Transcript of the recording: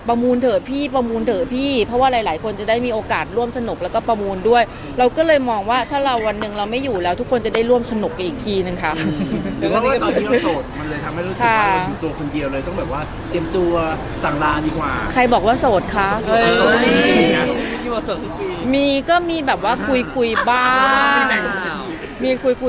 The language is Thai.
เถอะพี่ประมูลเถอะพี่เพราะว่าหลายหลายคนจะได้มีโอกาสร่วมสนุกแล้วก็ประมูลด้วยเราก็เลยมองว่าถ้าเราวันหนึ่งเราไม่อยู่แล้วทุกคนจะได้ร่วมสนุกกันอีกทีนึงค่ะตัวคนเดียวเลยต้องแบบว่าเตรียมตัวสั่งลาดีกว่าใครบอกว่าโสดคะมีก็มีแบบว่าคุยคุยบ้างมีคุย